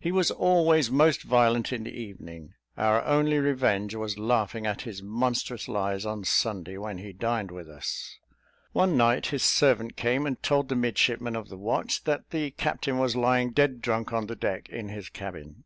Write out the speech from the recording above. He was always most violent in the evening. Our only revenge was laughing at his monstrous lies on Sunday, when he dined with us. One night, his servant came and told the midshipman of the watch, that the captain was lying dead drunk on the deck, in his cabin.